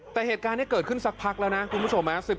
แต่เหตุการณ์นี้เกิดขึ้นสักพักแล้วนะคุณผู้ชม